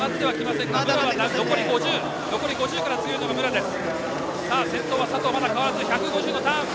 残り５０から強いのが武良です。